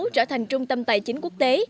trở thành trung tâm tài chính quốc tế